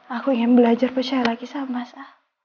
aku ingin belajar percaya lagi sama saya